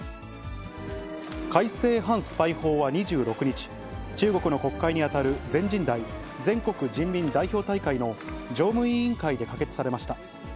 改正反スパイ法は２６日、中国の国会に当たる、全人代・全国人民代表大会の常務委員会で可決されました。